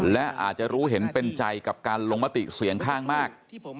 และอาจจะรู้เห็นเป็นใจกับการลงมติเสียงข้างมาก